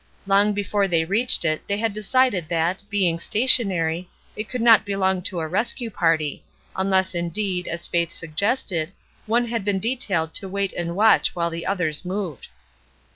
Long before they reached it they had decided that, being stationary, it could not belong to a rescue party, unless, indeed, as Faith suggested, one had been detailed to wait and watch while the others moved.